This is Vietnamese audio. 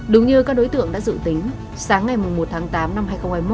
đúng như các đối tượng đã dự tính sáng ngày một tháng tám năm hai nghìn hai mươi một